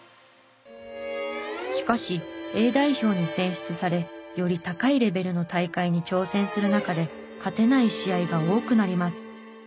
しかしＡ代表に選出されより高いレベルの大会に挑戦する中で勝てない試合が多くなります。